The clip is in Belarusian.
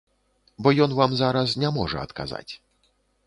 Бо ён вам зараз не можа адказаць.